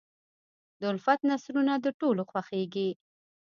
د الفت نثرونه د ټولو خوښېږي.